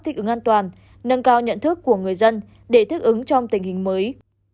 thích ứng an toàn nâng cao nhận thức của người dân để thích ứng trong tình hình mới